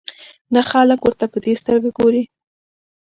نه خلک ورته په دې سترګه ګوري.